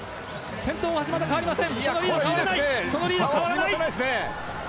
先頭はまだ変わりません。